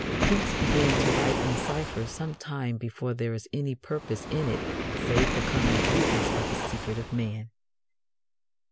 Pepys began to write in cipher some time before there was any purpose in it save the common prudence of a secretive man.